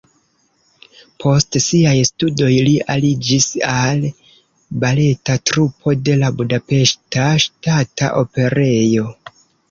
Post siaj studoj li aliĝis al baleta trupo de la Budapeŝta Ŝtata Operejo.